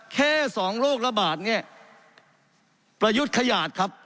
แค่สองโรคระบาดเนี่ยประยุทธ์ขยาดครับ